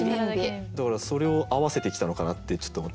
だからそれを合わせてきたのかなってちょっと思って。